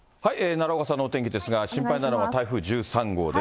奈良岡さんのお天気ですが、心配なのは台風１３号です。